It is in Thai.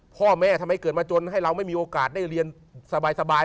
พ่อแม่ทำไมเกิดมาจนให้เราไม่มีโอกาสได้เรียนสบาย